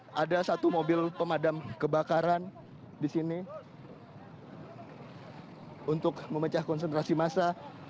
dan ada satu mobil pemadam kebakaran di sini untuk memecah konsentrasi massa